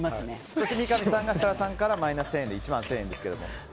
そして三上さんは設楽さんからマイナス１０００円の１万１０００円です。